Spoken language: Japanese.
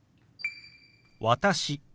「私」。